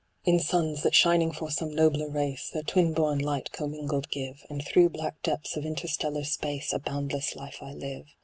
In suns, that shining for some nobler race Their twin born light commingled give, And through black depths of interstellar space A boundless life I live.